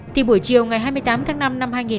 thì buổi chiều ngày hai mươi tám tháng năm năm hai nghìn bảy